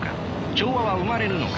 調和は生まれるのか。